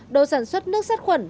đồ sản xuất nước sát khuẩn